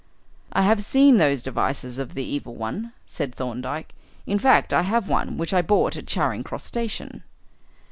"I have seen those devices of the Evil One," said Thorndyke, "in fact, I have one, which I bought at Charing Cross Station."